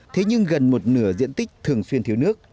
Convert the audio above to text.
thế nhưng gần một nửa diện tích thường xuyên thiếu nước